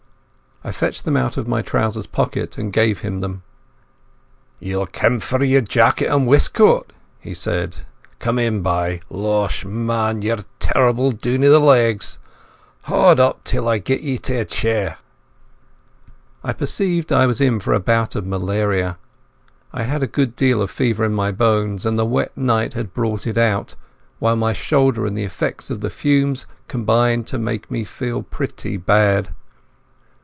I fetched them out of my trouser pocket and gave him them. "Ye'll hae come for your jaicket and westcoat," he said. "Come in bye. Losh, man, ye're terrible dune i' the legs. Haud up till I get ye to a chair." I perceived I was in for a bout of malaria. I had a good deal of fever in my bones, and the wet night had brought it out, while my shoulder and the effects of the fumes combined to make me feel pretty bad.